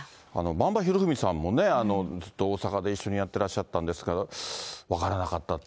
ばんばひろふみさんもずっと大阪で一緒にやってらっしゃったんですが、分からなかったって。